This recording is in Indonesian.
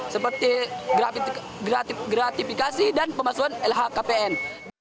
seperti gratifikasi dan pemalsuan lhkpn